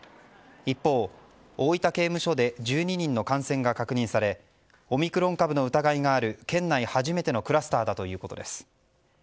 一方、大分刑務所で１２人の感染が確認されオミクロン株の疑いがある県内初めてのクラスターだということです。